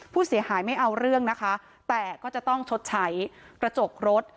ผู้เสียหายไม่เอาเรื่องนะคะแต่ก็จะต้องชดใช้กระจกรถ